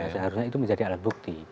seharusnya itu menjadi alat bukti